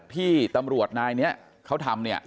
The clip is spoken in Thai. ที่ตำรวจนายนี้เขาทำ